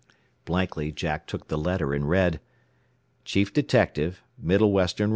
Blankly Jack took the letter, and read: "Chief Detective, "Middle Western R.